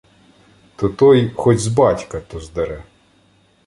То той, хоть з батька, то здере.